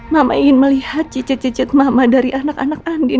mama ingin melihat cicit cicit mama dari anak anak andin